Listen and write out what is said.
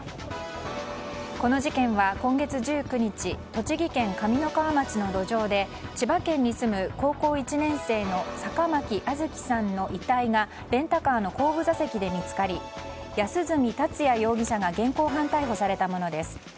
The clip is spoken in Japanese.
この事件は今月１９日栃木県上三川町の路上で千葉県に住む高校１年生の坂巻杏月さんの遺体がレンタカーの後部座席で見つかり安栖達也容疑者が現行犯逮捕されたものです。